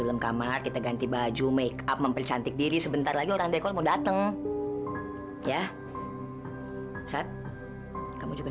ke kamar kita ganti baju make up mempercantik diri sebentar lagi orang dekor dateng ya saat kamu juga